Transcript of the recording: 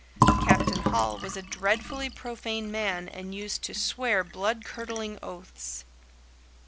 Captain Hall was a dreadfully profane man and used to swear blood curdling oaths.